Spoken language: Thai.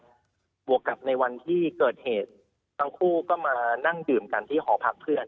บวกกับในวันที่เกิดเหตุทั้งคู่ก็มานั่งดื่มกันที่หอพักเพื่อน